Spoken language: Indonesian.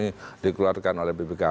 itu dikeluarkan oleh bpk